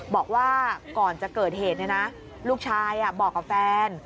บอกว่าก่อนจะเกิดเหตุลูกชายบอกกับแฟน